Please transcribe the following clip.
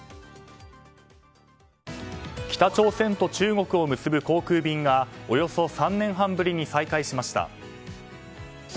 北朝鮮と中国を結ぶ航空便がおよそ３年半ぶりに再開しました。